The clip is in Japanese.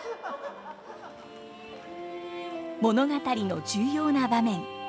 物語の重要な場面